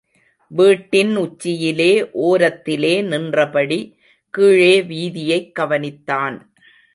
வீட்டின் உச்சியிலே ஓரத்திலே நின்றபடி கீழே வீதியைக் கவனித்தான்.